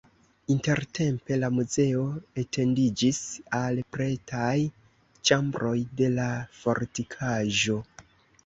Intertempe la muzeo etendiĝis al pretaj ĉambroj de la fortikaĵo.